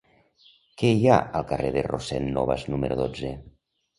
Què hi ha al carrer de Rossend Nobas número dotze?